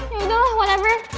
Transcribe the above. yaudah lah whatever